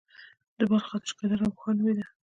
د بلخ اتشڪده نوبهار نومیده